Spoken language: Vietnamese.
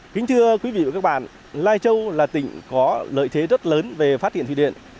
kính thưa quý vị và các bạn lai châu là tỉnh có lợi thế rất lớn về phát triển thủy điện